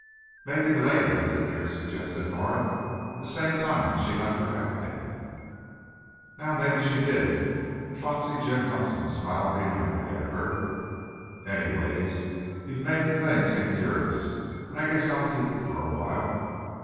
"Maybe the lady left it here," suggested Norah. "The same time she left her hatpin." "Now, maybe she did," and Foxy Jim Hudson smiled benignly at her. "Any ways, you've made the thing seem curious, and I guess I'll keep it for a while."